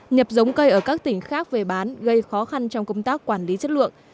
nhập giống cây ở các tỉnh khác về bán gây khó khăn trong công tác quản lý chất lượng